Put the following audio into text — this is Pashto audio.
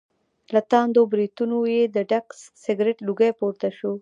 له تاندو برېتونو یې د ډک سګرټ لوګی پور ته شو.